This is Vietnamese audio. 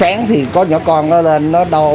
sáng thì có nhỏ con nó lên nó đau